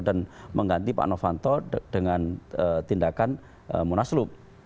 dan mengganti pak novanto dengan tindakan munaslup